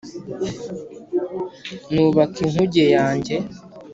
nubaka inkuge yanjye